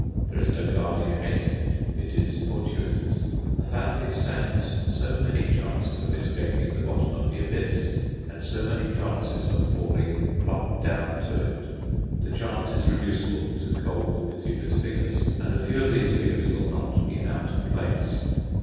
There is no guarding against it. It is fortuitous. A family stands so many chances of escaping the bottom of the Abyss, and so many chances of falling plump down to it. The chance is reducible to cold, pitiless figures, and a few of these figures will not be out of place.